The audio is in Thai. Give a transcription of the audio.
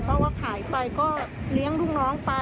เพราะว่าขายไปก็เลี้ยงลูกน้องไป